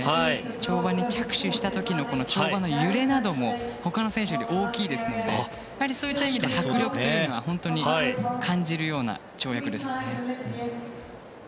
跳馬に着手した時の跳馬の揺れなども他の選手より大きいですのでそういった意味で迫力というのを本当に感じるような跳躍ですね。